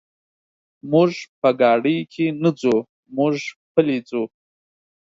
موږ په ګاډي کې نه ځو، موږ پلي ځو.